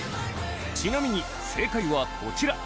ちなみに正解はこちら